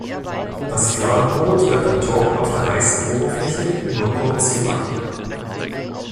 Das Fladenbrot wird dann trocken auf der heißen Oberfläche nur kurz gebacken.